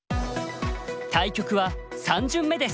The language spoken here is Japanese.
対局は３巡目です。